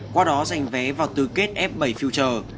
qua đó giành vé vào tư kết f bảy future